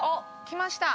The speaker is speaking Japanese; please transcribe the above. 来ました。